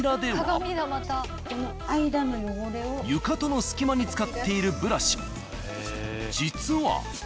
床との隙間に使っているブラシ実は。